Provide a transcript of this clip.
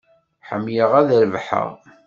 Ḥemmleɣ ad rebḥeɣ.